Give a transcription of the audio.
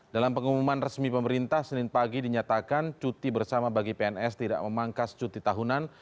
dalam pengumuman resmi pemerintah senin pagi dinyatakan cuti bersama bagi pns tidak memangkas cuti tahunan